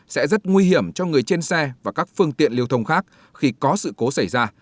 sẽ rất nguy hiểm cho người trên xe và các phương tiện lưu thông khác khi có sự cố xảy ra